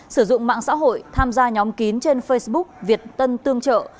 sử dụng mạng xã hội tham gia nhóm kín trên facebook việt tân tương trợ